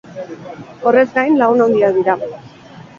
Horrez gain, lagun handiak dira.